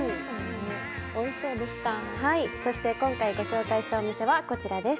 今回ご紹介したお店は、こちらです。